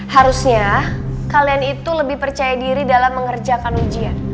harusnya kalian itu lebih percaya diri dalam mengerjakan ujian